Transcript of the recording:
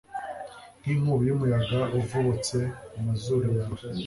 n’inkubi y’umuyaga uvubutse mu mazuru yawe